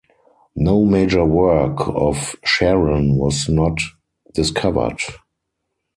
No major work of Sharan was not discovered.